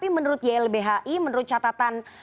menurut ylbhi menurut catatan